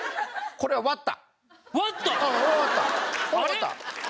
これは割った。